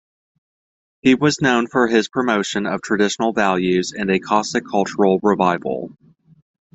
He was known for his promotion of traditional values and a Cossack cultural revival.